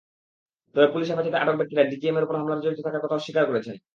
তবে পুলিশ হেফাজতে আটক ব্যক্তিরা ডিজিএমের ওপর হামলায় জড়িত থাকার কথা অস্বীকার করেছেন।